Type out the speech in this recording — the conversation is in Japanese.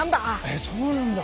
えっそうなんだ。